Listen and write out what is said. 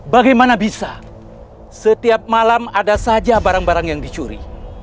bagaimana bisa setiap malam ada saja barang barang yang dicuri